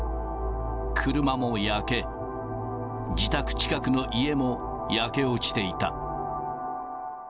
車も焼け、自宅近くの家も焼け落ちていた。